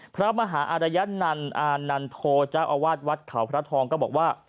พระมหาอารยนันต์อานันโทเจ้าอาวาสวัดเขาพระทองก็บอกว่า